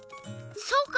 そうか。